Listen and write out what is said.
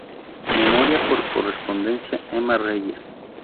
Memoria por correspondencia Emma Reyes